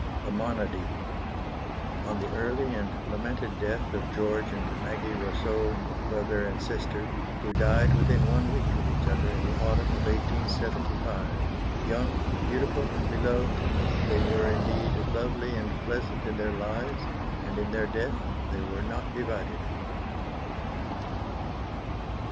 A MONODY On the early and lamented death of George and Maggie Rosseaux, brother and sister, who died within one week of each other in the autumn of 1875. Young, beautiful and beloved, they were indeed lovely and pleasant in their lives, and in their death they were not divided.